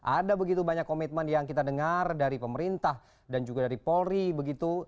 ada begitu banyak komitmen yang kita dengar dari pemerintah dan juga dari polri begitu